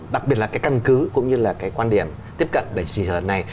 đặc biệt là cái căn cứ cũng như là cái quan điểm tiếp cận để xin trả lời này